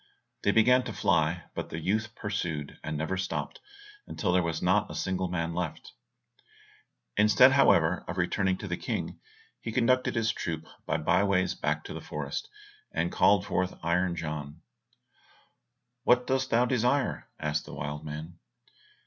They began to fly, but the youth pursued, and never stopped, until there was not a single man left. Instead, however, of returning to the King, he conducted his troop by bye ways back to the forest, and called forth Iron John. "What dost thou desire?" asked the wild man.